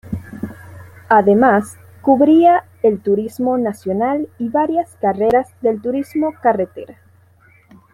Además cubría el Turismo Nacional y varias carreras del Turismo Carretera.